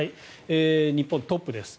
日本、トップです。